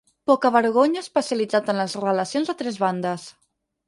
Poca-vergonya especialitzat en les relacions a tres bandes.